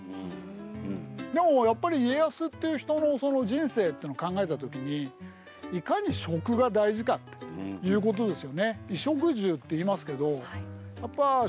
でもやっぱり家康っていう人の人生っていうのを考えた時にいかに食が大事かということですよね。